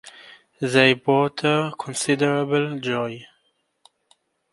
They brought her considerable joy.